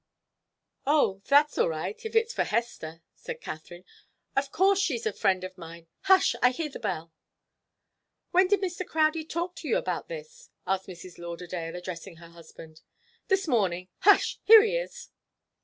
"Oh that's all right, if it's for Hester," said Katharine. "Of course she's a friend of mine. Hush! I hear the bell." "When did Mr. Crowdie talk to you about this?" asked Mrs. Lauderdale, addressing her husband. "This morning hush! Here he is."